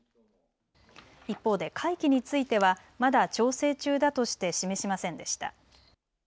一方で会期については、まだ調整中だとして示しませんでした。